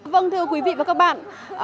vâng thưa quý vị và các bạn